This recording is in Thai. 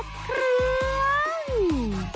แป๊บหนึ่ง